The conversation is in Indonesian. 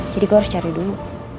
jadi gue harus cari dulu